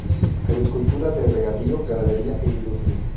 Agricultura de regadío, ganadería e industria.